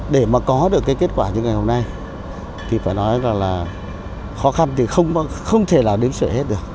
để mà có được cái kết quả như ngày hôm nay thì phải nói là khó khăn thì không thể nào đứng sửa hết được